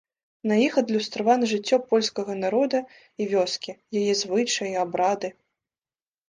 На іх адлюстравана жыццё польскага народа і вёскі, яе звычаі, абрады.